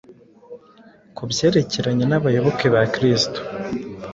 ku byerekeranye n’abayoboke ba Kristo.